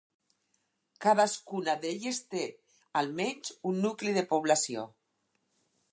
Cadascuna d'elles té almenys un nucli de població.